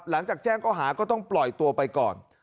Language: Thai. หลังจากแจ้งก็หาก็ต้องปล่อยตัวไปก่อน